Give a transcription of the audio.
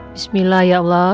bismillah ya allah